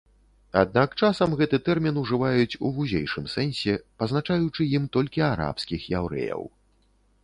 Аднак часам гэты тэрмін ужываюць у вузейшым сэнсе, пазначаючы ім толькі арабскіх яўрэяў.